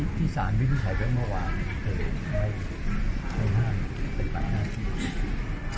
อีศาลน้ำโดนมิจฉัยเมื่อวานเคยได้ห้ามเป็นตามหน้าที่